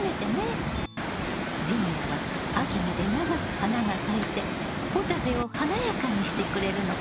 ジニアは秋まで長く花が咲いてポタジェを華やかにしてくれるの。